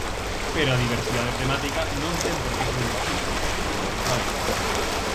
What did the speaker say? Pero a diversidade temática non ten por que ser un pasivo, senón todo o contrario.